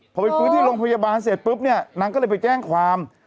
พอไปฟื้นที่โรงพยาบาลเสร็จปุ๊บเนี่ยนางก็เลยไปแจ้งความ